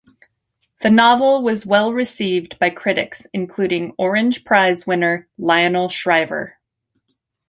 The novel was well received by critics including Orange Prize winner Lionel Shriver.